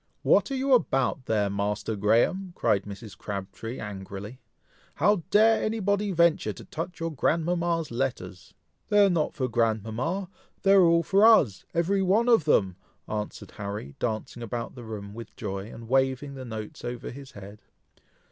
"What are you about there, Master Graham?" cried Mrs. Crabtree, angrily, "how dare any body venture to touch your grandmama's letters?" "They are not for grandmama! they are all for us! every one of them!" answered Harry, dancing about the room with joy, and waving the notes over his head.